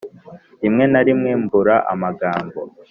rimwe narimwe mbura amagambo